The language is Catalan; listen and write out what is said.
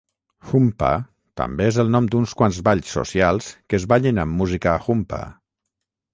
"Humppa" també és el nom d'uns quants balls socials que es ballen amb música humppa.